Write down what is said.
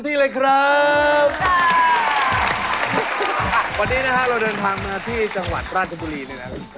นี่นะครับเราเดินทางมาที่จังหวัดราชบุรีนี่นะครับ